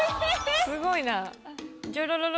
すごいな。